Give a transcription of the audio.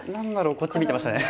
こっち見てましたね。